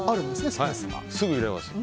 すぐ入れます。